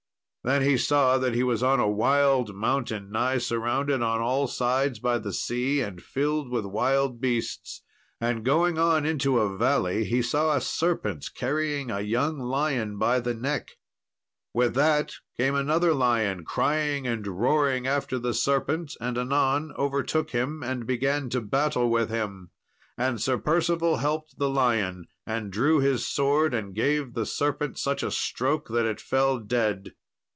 Then he saw that he was on a wild mountain, nigh surrounded on all sides by the sea, and filled with wild beasts; and going on into a valley, he saw a serpent carrying a young lion by the neck. With that came another lion, crying and roaring after the serpent, and anon overtook him, and began to battle with him. And Sir Percival helped the lion, and drew his sword, and gave the serpent such a stroke that it fell dead.